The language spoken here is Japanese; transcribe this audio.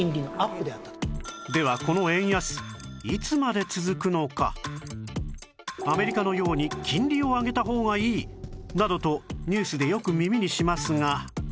ではこのアメリカのように金利を上げた方がいいなどとニュースでよく耳にしますが